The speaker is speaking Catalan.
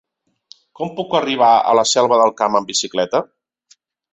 Com puc arribar a la Selva del Camp amb bicicleta?